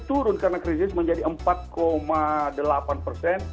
turun karena krisis menjadi empat delapan persen